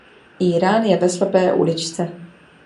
Írán je ve slepé uličce.